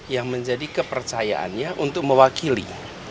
yang menjadi kepercayaannya untuk mewakili